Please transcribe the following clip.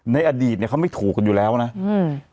ในอดีตเนี้ยเขาไม่ถูกกันอยู่แล้วนะอืม